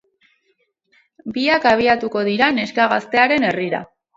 Biak abiatuko dira neska gaztearen herrira.